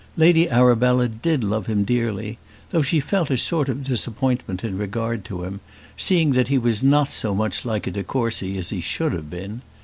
Lady Arabella did love him dearly, though she felt a sort of disappointment in regard to him, seeing that he was not so much like a de Courcy as he should have been.